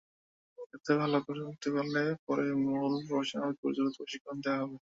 এতে ভালো করতে পারলে পরে মূল প্রফেশনাল কোর্সগুলোতে প্রশিক্ষণ দেওয়া হবে।